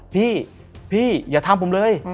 พี่พี่อย่าทำผมเลย